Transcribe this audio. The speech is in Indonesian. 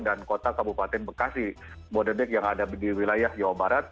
dan kota kabupaten bekasi bodedek yang ada di wilayah jawa barat